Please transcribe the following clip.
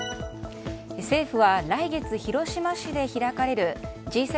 政府は来月、広島市で開かれるＧ７